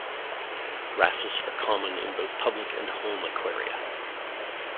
Wrasses are common in both public and home aquaria.